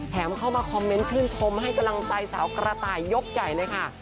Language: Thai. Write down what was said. เข้ามาคอมเมนต์ชื่นชมให้กำลังใจสาวกระต่ายยกใหญ่เลยค่ะ